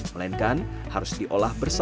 melainkan harus diolah bersama